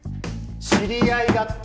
知り合いだって。